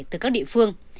từ các địa phương